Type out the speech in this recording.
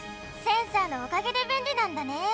センサーのおかげでべんりなんだね！